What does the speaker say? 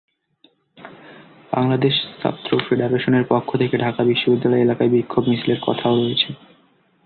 বাংলাদেশ ছাত্র ফেডারেশনের পক্ষ থেকে ঢাকা বিশ্ববিদ্যালয় এলাকায় বিক্ষোভ মিছিলেরও কথা রয়েছে।